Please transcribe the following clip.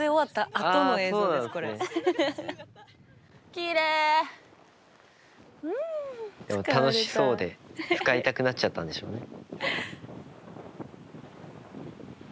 でも楽しそうで使いたくなっちゃったんでしょうね。